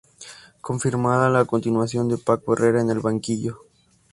Confirmada la continuación de Paco Herrera en el banquillo.